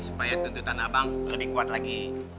supaya tuntutan abang lebih kuat lagi